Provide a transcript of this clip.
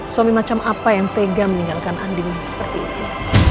suami macam apa yang tega meninggalkan andin seperti itu